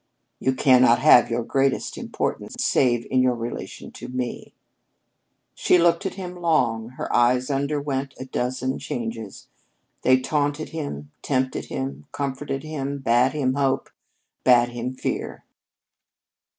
"You cannot have your greatest importance save in your relation to me." She looked at him long. Her eyes underwent a dozen changes. They taunted him, tempted him, comforted him, bade him hope, bade him fear.